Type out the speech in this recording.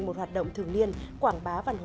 một hoạt động thường liên quảng bá văn hóa